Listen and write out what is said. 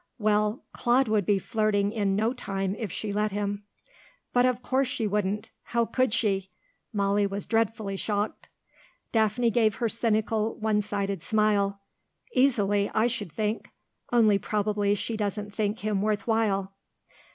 "Well, Claude would be flirting in no time if she let him." "But of course she wouldn't. How could she?" Molly was dreadfully shocked. Daphne gave her cynical, one sided smile. "Easily, I should think. Only probably she doesn't think him worth while."